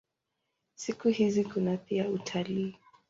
Siku hizi kuna pia utalii.